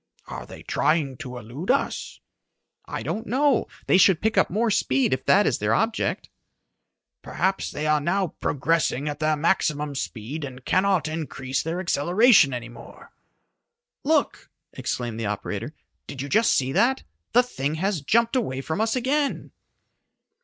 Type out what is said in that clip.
"Are they trying to elude us?" "I don't know. They should pick up more speed if that is their object." "Perhaps they are now progressing at their maximum speed and cannot increase their acceleration any more." "Look!" exclaimed the operator. "Did you just see that? The thing has jumped away from us again!"